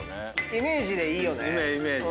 イメージでいいよね。